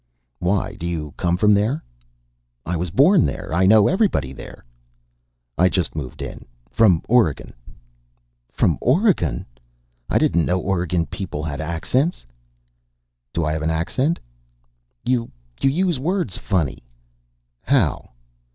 "Why, do you come from there?" "I was born there. I know everybody there." "I just moved in. From Oregon." "From Oregon? I didn't know Oregon people had accents." "Do I have an accent?" "You use words funny." "How?"